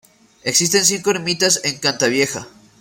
Existen cinco ermitas en Cantavieja.